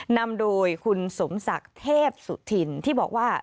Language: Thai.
นำโดยคุณสมศักดิ์เทพสุธินที่บอกว่า